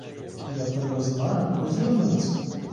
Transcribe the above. Я тебе знаю по зірниці.